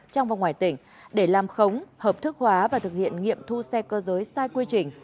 trong và ngoài tỉnh để làm khống hợp thức hóa và thực hiện nghiệm thu xe cơ giới sai quy trình